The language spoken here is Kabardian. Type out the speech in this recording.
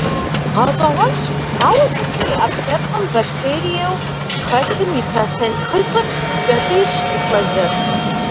Гъэщӏэгъуэнщ, ауэ цӏыхум и ӏэпкълъэпкъым бактериеу хэлъым и процент хыщӏыр кӏэтӏийрщ зыхуэзэр.